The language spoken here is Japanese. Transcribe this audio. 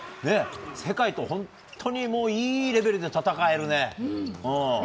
世界と本当にいいレベルで戦えるね。